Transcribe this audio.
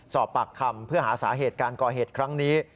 สอบปากคำเพื่อหาสาเหตุการก่อเหตุครั้งนี้